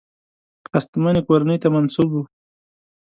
هستمنې کورنۍ ته منسوب وو.